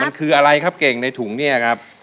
มันคืออะไรครับเก่งในถุงเนี่ยครับ